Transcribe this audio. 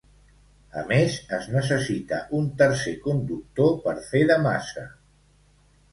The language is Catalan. A més, es necessita un tercer conductor per fer de massa.